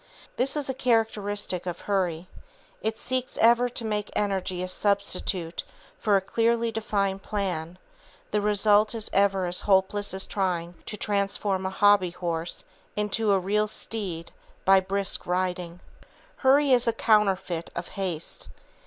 This is a characteristic of Hurry. It seeks ever to make energy a substitute for a clearly defined plan, the result is ever as hopeless as trying to transform a hobby horse into a real steed by brisk riding. Hurry is a counterfeit of haste.